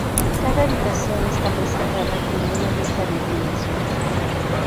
Cada habitación está presentada como una vista bidimensional.